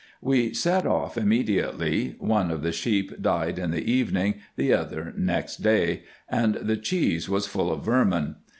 We set off immediately. One of the sheep died in the evening, the other next day, and the cheese was full of vermin.